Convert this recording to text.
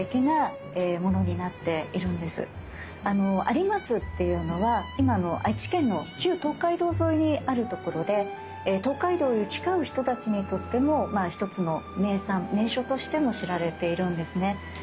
有松っていうのは今の愛知県の旧東海道沿いにあるところで東海道を行き交う人たちにとっても一つの名産名所としても知られているんですね。